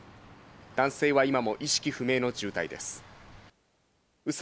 男性は今も意識不明の重体です。